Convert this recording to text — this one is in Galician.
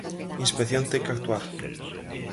Inspección ten que actuar.